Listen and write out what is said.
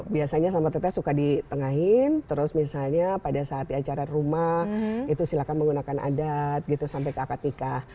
biasanya sama tetes suka di tengahhin terus misalnya pada saat acara rumah itu silakan menggunakan adat gitu sampai ke akad nikah